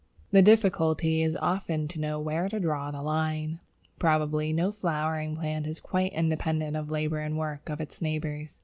The difficulty is very often to know where to draw the line. Probably no flowering plant is quite independent of the labour and work of its neighbours.